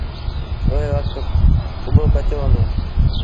اُئي وکت ڪٻو ڪچو هُݩدو۔